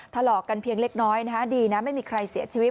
ทะเลาะกันเพียงเล็กน้อยดีนะไม่มีใครเสียชีวิต